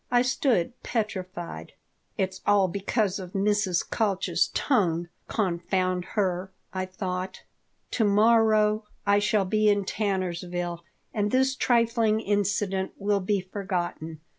I stood petrified. "It's all because of Mrs. Kalch's tongue, confound her!" I thought. "To morrow I shall be in Tannersville and this trifling incident will be forgotten."